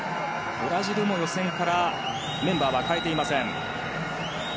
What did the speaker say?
ブラジルも予選からメンバーは代えていません。